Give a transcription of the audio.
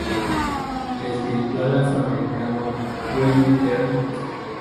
El espiritual afro-americano "Were you there?